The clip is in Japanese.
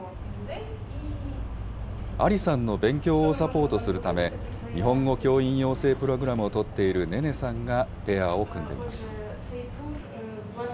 アリさんの勉強をサポートするため、日本語教員養成プログラムをとっているネネさんがペアを組んでいます。